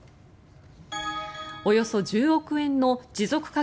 およそ１０億円の持続化